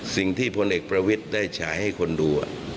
สิ่งที่พลเอกประวิทย์ได้ฉายให้คนดู